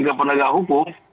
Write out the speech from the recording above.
ke penegak hukum